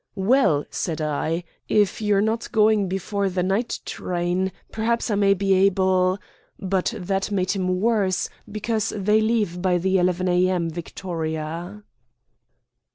'Well,' said I, 'if you're not going before the night train, perhaps I may be able ' But that made him worse, because they leave by the 11 A.M., Victoria."